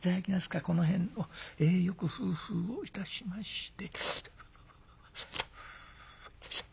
この辺をよくフフをいたしまして」。